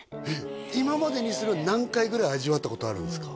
今までにそれは何回ぐらい味わったことあるんですか？